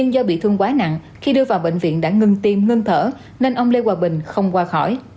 nói nặng khi đưa vào bệnh viện đã ngưng tim ngưng thở nên ông lê hòa bình không qua khỏi